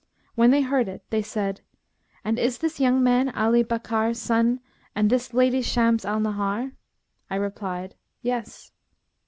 When they heard it, they said, 'And is this young man Ali Bakkar son and this lady Shams al Nahar?' I replied, 'Yes.'